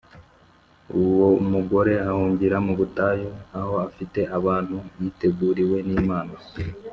Uwo mugore ahungira mu butayu aho afite ahantu yiteguriwe n’Imana,